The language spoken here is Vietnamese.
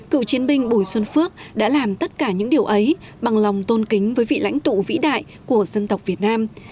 cựu chiến binh bùi xuân phước đã làm tất cả những điều ấy bằng lòng tôn kính với vị lãnh tụ vĩ đại của dân tộc việt nam